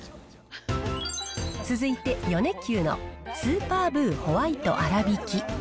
続いて、米久のスーパーブーホワイトあらびき。